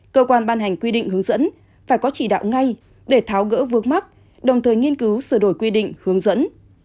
cơ quan ban hành quy định hướng dẫn phải có chỉ đạo ngay để tháo gỡ vướng mắt đồng thời nghiên cứu sửa đổi quy định hướng dẫn